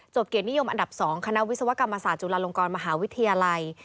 เกียรตินิยมอันดับ๒คณะวิศวกรรมศาสตร์จุฬาลงกรมหาวิทยาลัย